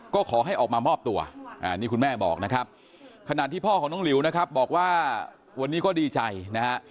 ก็ขอให้ออกมามอบตัวนี่คุณแม่บอกนะครับขณะที่พ่อของน้องหลิวนะครับบอกว่าวันนี้ก็ดีใจนะฮะ